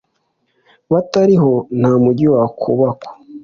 Batariho, nta mugi wakubakwa,